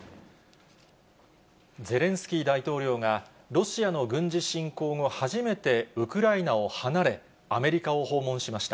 ゼレンスキー大統領が、ロシアの軍事侵攻後、初めてウクライナを離れ、アメリカを訪問しました。